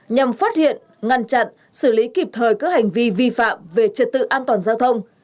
nhằm phát hiện ngăn chặn xử lý kịp thời các hành vi vi phạm về trật tự an toàn giao thông